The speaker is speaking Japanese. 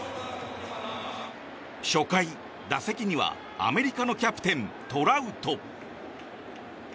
初回、打席にはアメリカのキャプテントラウト。